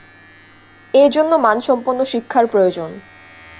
এ জন্য মানসম্পন্ন শিক্ষার প্রয়োজন।